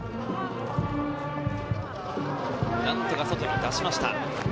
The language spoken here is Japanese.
何とか外に出しました。